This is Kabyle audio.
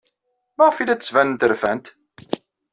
Maɣef ay la d-ttbanent rfant?